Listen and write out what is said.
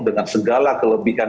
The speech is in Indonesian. dengan segala kelebihkan